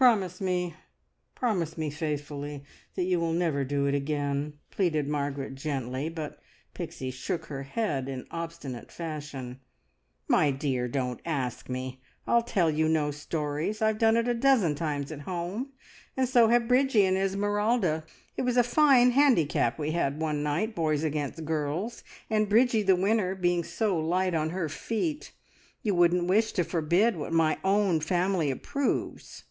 Promise me, promise me faithfully, that you will never do it again!" pleaded Margaret gently; but Pixie shook her head in obstinate fashion. "Me dear, don't ask me! I'll tell you no stories. I've done it a dozen times at home, and so have Bridgie and Esmeralda. It was a fine handicap we had one night, boys against girls, and Bridgie the winner, being so light on her feet. You wouldn't wish to forbid what my own family approves."